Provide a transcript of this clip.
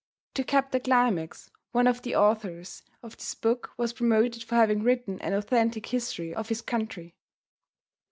To cap the climax, one of the authors of this book was promoted for having written an authentic history of his country.